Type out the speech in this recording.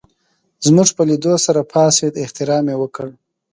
زموږ په لېدو سره پاڅېد احترام یې وکړ.